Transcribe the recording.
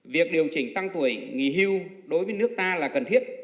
việc điều chỉnh tăng tuổi nghỉ hưu đối với nước ta là cần thiết